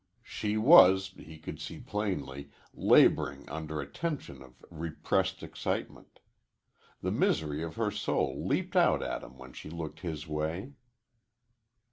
She was, he could see plainly, laboring under a tension of repressed excitement. The misery of her soul leaped out at him when she looked his way.